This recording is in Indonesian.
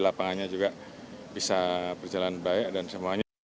kapolri menyebut dalam beberapa hari ini